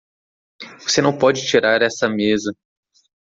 Você não pode tirar essa mesa.